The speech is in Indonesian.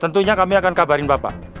tentunya kami akan kabarin bapak